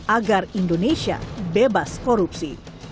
agar indonesia bebas korupsi